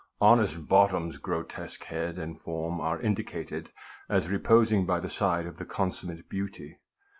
Honest Bottom's grotesque head and form are indicated as reposing by the side of the con summate beauty.